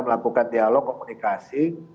melakukan dialog komunikasi